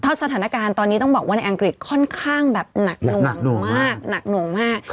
เพราะสถานการณ์ตอนนี้ต้องบอกว่าในอังกฤษค่อนข้างแบบหนักหน่วงมาก